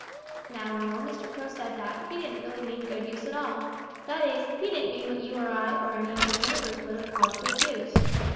"Now when old Mr. Crow said that, he didn't really mean good use at all. That is, he didn't mean what you or I or any of his neighbors would have called good use.